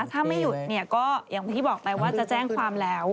ถ้าไม่หยุดเนี่ยก็อย่างที่บอกไปว่าจะแจ้งความแล้ว